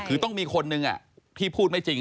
คือต้องมีคนนึงที่พูดไม่จริง